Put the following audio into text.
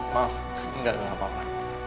maaf enggak ada apa apa